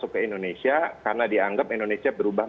dan kemudian bisa